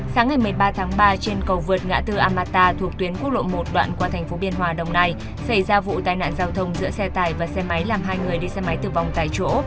sáng ngày một mươi ba tháng ba trên cầu vượt ngã tư amata thuộc tuyến quốc lộ một đoạn qua thành phố biên hòa đồng nai xảy ra vụ tai nạn giao thông giữa xe tài và xe máy làm hai người đi xe máy tử vong tại chỗ